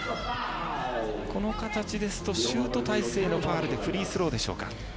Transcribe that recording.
この形ですとシュート体勢のファウルでフリースローでしょうか。